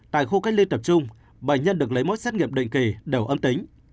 tại khu cách ly tập trung bệnh nhân được lấy mẫu xét nghiệm định kỳ đều âm tính